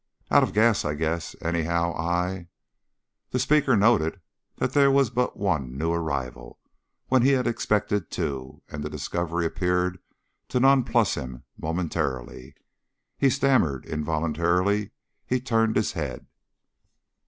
"Out of gas, I guess. Anyhow I " The speaker noted that there was but one new arrival, where he had expected two, and the discovery appeared to nonplus him momentarily. He stammered, involuntarily he turned his head.